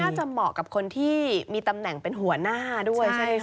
เหมาะกับคนที่มีตำแหน่งเป็นหัวหน้าด้วยใช่ไหมคะ